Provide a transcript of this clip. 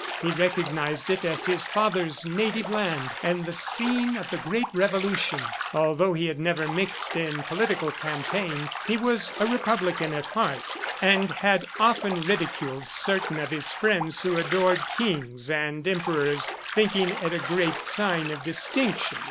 He recognized it as his father's native land and the scene of the great Revolution. ... Although he had never mixed in political campaigns, he was a republican at heart, and had often ridiculed certain of his friends who adored kings and emperors, thinking it a great sign of distinction.